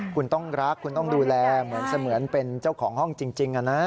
คุณต้องรักคุณต้องดูแลเหมือนเสมือนเป็นเจ้าของห้องจริงนะ